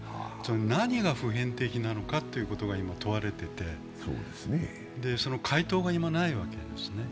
何が普遍的なのかが今、問われていて、その解答が今、ないわけですね。